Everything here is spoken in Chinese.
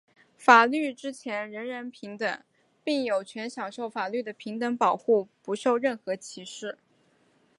法律之前人人平等,并有权享受法律的平等保护,不受任何歧视。